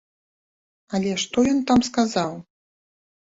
Але што ён там сказаў?